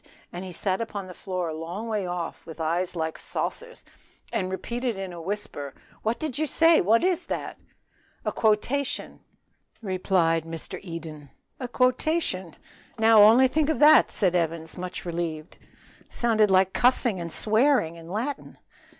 and he sat upon the floor a long way off, with eyes like saucers, and repeated in a whisper, "what is that?" "A quotation," replied the other grimly. "A quotation! now only think of that" said Evans, much relieved. "Sounded like cussing and swearing in Latin."